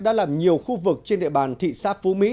đã làm nhiều khu vực trên địa bàn thị xã phú mỹ